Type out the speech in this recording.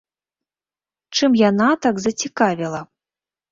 Чым яна так зацікавіла?